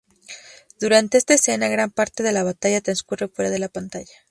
Durante esta escena, gran parte de la batalla transcurre fuera de pantalla.